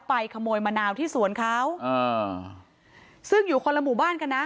ขโมยมะนาวที่สวนเขาอ่าซึ่งอยู่คนละหมู่บ้านกันนะ